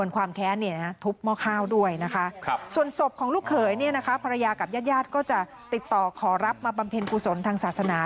กับญาติก็จะติดต่อขอรับมาบำเพ็ญกุศลทางศาสนา